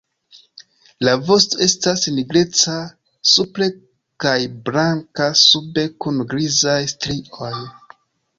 La vosto estas nigreca supre kaj blanka sube kun grizaj strioj.